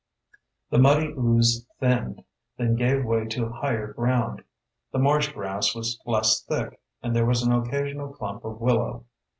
The muddy ooze thinned, then gave way to higher ground. The marsh grass was less thick and there was an occasional clump of willow.